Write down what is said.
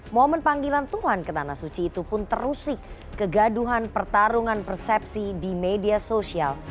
momen panggilan tuhan ke tanah suci itu pun terusik kegaduhan pertarungan persepsi di media sosial